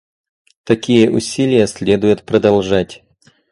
Такие усилия следует продолжать.